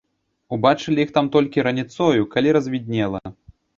Убачылі іх там толькі раніцою, калі развіднела.